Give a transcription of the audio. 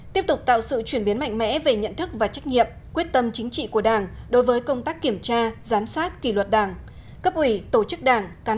tiếp tục tạo sự chuyển biến mạnh mẽ về nhận thức và trách nhiệm quyết tâm chính trị của đảng đối với công tác kiểm tra giám sát kỷ luật đảng